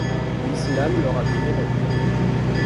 L'islam leur a donné la liberté.